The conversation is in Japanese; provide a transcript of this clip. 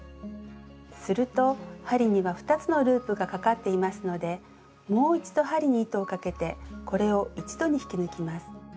すると針には２つのループがかかっていますのでもう一度針に糸をかけてこれを一度に引き抜きます。